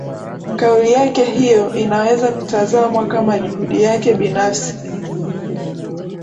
Kauli yake hiyo inaweza kutazamwa kama juhudi yake binafsi